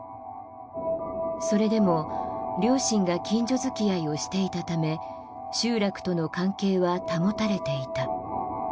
それでも両親が近所付き合いをしていたため集落との関係は保たれていた。